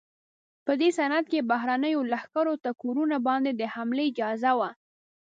په دې سند کې بهرنیو لښکرو ته کورونو باندې د حملې اجازه وه.